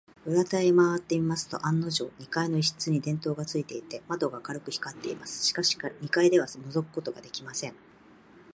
裏手へまわってみますと、案のじょう、二階の一室に電燈がついていて、窓が明るく光っています。しかし、二階ではのぞくことができません。